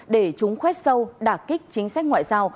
để chúng khoét sâu đả kích chính sách ngoại giao